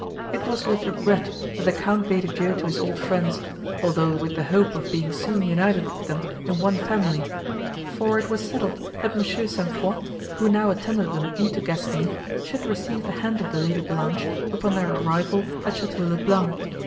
It was with regret, that the Count bade adieu to his old friends, although with the hope of being soon united with them in one family; for it was settled that M. St. Foix, who now attended them into Gascony, should receive the hand of the Lady Blanche, upon their arrival at Château le Blanc.